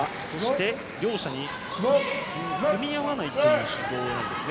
両者に組み合わないという指導ですね。